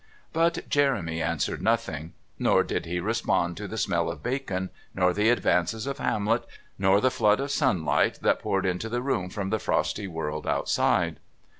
But Jeremy answered nothing; nor did he respond to the smell of bacon, nor the advances of Hamlet, nor the flood of sunlight that poured into the room from the frosty world outside.